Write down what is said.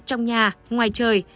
trong nhà ngoài chơi